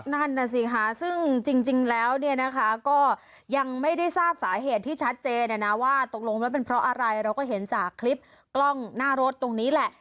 นั่นน่ะสิค่ะซึ่งจริงแล้วเนี่ยนะคะก็ยังไม่ได้ทราบสาเหตุที่ชัดเจนนะว่าตกลงแล้วเป็นเพราะอะไรเราก็เห็นจากคลิปกล้องหน้ารถตรงนี้แหละ